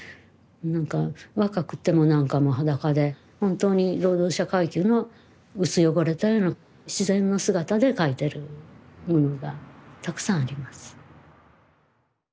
何か若くても何か裸で本当に労働者階級の薄汚れたような自然の姿で描いてるものがたくさんあります。